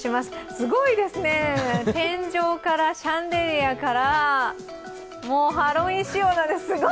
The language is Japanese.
すごいですね、天井からシャンデリアから、もうハロウィーン仕様なんです。